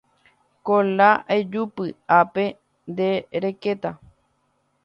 Kola ejúpy, ápe nde rekéta